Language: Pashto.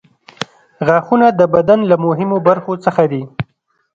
غاښونه د بدن له مهمو برخو څخه دي.